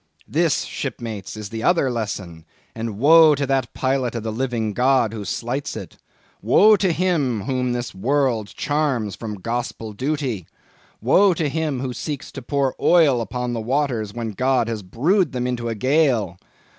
"This, shipmates, this is that other lesson; and woe to that pilot of the living God who slights it. Woe to him whom this world charms from Gospel duty! Woe to him who seeks to pour oil upon the waters when God has brewed them into a gale!